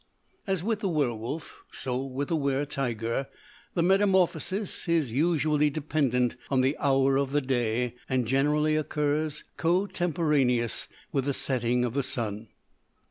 As with the werwolf, so with the wer tiger, the metamorphosis is usually dependent on the hour of the day, and generally occurs cotemporaneous with the setting of the sun.